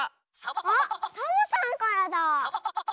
あっサボさんからだ。